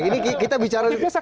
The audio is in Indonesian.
ini kita bicara